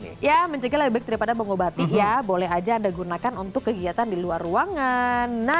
jadi kalau anda ingin mencari penjualan masker lebih baik daripada mengobati ya boleh aja anda gunakan untuk kegiatan di luar ruangan